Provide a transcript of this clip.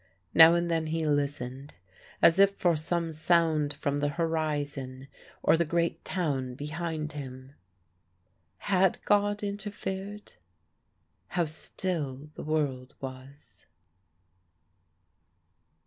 Now and then he listened, as if for some sound from the horizon or the great town behind him. Had God interfered? How still the world was!